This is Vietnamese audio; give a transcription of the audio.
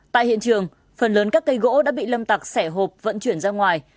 tại hiện trường phần lớn các cây gỗ đã bị lâm tặc xẻ hộp vận chuyển ra ngoài